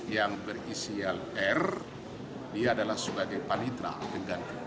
yang berisial r dia adalah sebagai panitra pengganti